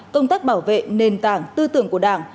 công tác bảo vệ nền tảng tư tưởng của đảng